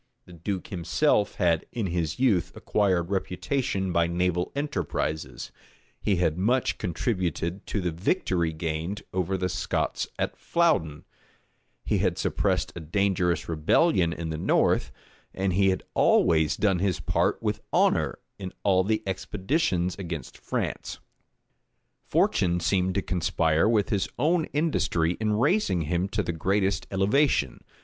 The duke himself had in his youth acquired reputation by naval enterprises: he had much contributed to the victory gained over the Scots at Flouden: he had suppressed a dangerous rebellion in the north; and he had always done his part with honor in all the expeditions against France. Fortune seemed to conspire with his own industry in raising him to the greatest elevation.